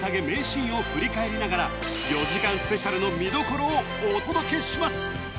名シーンを振り返りながら４時間スペシャルの見どころをお届けします